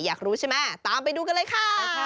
อยากรู้ใช่ไหมตามไปดูกันเลยค่ะ